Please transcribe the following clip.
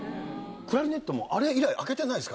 クラリネットもあれ以来開けてないですから。